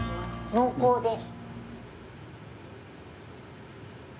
濃厚です。